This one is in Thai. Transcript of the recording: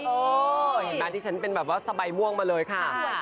เห็นไหมที่ฉันเป็นแบบว่าสบายม่วงมาเลยค่ะ